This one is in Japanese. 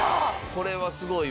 これはすごいわ。